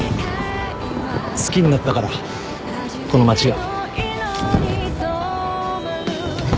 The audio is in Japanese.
好きになったからこの街が。